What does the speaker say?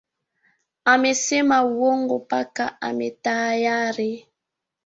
Amesema uongo mpaka ametahayari